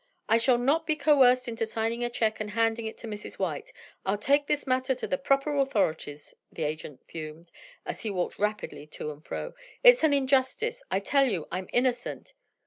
"I shall not be coerced into signing a check and handing it to Mrs. White. I'll take this matter to the proper authorities," the agent fumed, as he walked rapidly to and fro. "It's an injustice. I tell you I'm innocent."